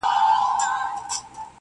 لکه ماسوم بې موره~